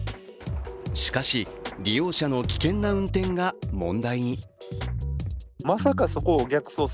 しかし、利用者の危険な運転が問題に。